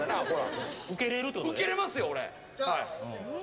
受けれますよ、俺。